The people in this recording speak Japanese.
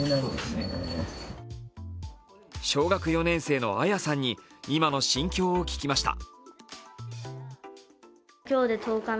小学４年生の亜弥さんに今の心境を聞きました。